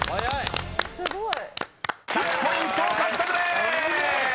［１００ポイント獲得です！］